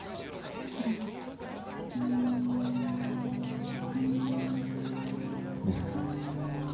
それもちょっと三咲さん